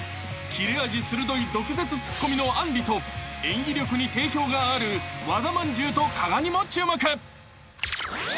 ［切れ味鋭い毒舌ツッコミのあんりと演技力に定評がある和田まんじゅうと加賀にも注目］